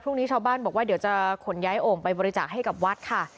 ชาวบ้านบอกว่าเดี๋ยวจะขนย้ายโอ่งไปบริจาคให้กับวัดค่ะ